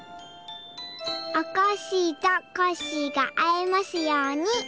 「おこっしぃとコッシーが会えますように」。